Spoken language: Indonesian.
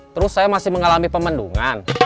terus saya masih mengalami pemendungan